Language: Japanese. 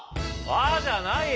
「あ！」じゃないよ。